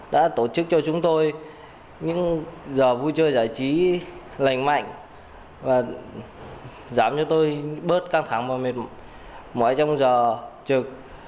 đã tổ chức cho chúng tôi những giờ vui chơi giải trí lành mạnh và giảm cho tôi bớt căng thẳng vào mệt mỏi trong giờ trực